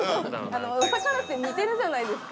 ◆お魚って似てるじゃないですか。